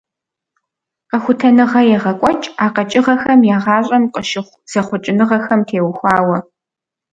Къэхутэныгъэ егъэкӀуэкӀ а къэкӀыгъэхэм я гъащӀэм къыщыхъу зэхъуэкӀыныгъэхэм теухуауэ.